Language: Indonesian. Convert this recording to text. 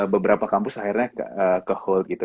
beberapa kampus akhirnya ke hole gitu